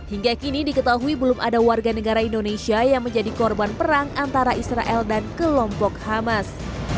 hingga kini diketahui belum ada warga negara indonesia yang menjadi korban perang antara israel dan kelompok hamas